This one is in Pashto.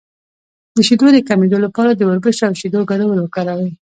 د شیدو د کمیدو لپاره د وربشو او شیدو ګډول وکاروئ